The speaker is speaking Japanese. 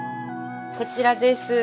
こちらです。